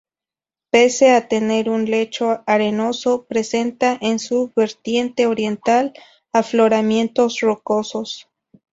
Pese a tener un lecho arenoso, presenta, en su vertiente oriental, afloramientos rocosos.